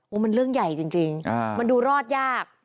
มันเรื่องใหญ่จริงมันดูรอดยาก